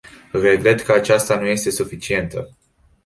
Regret că aceasta nu este suficientă.